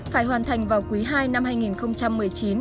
phải hoàn thành vào quý ii năm hai nghìn một mươi chín